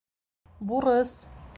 — Бурыс!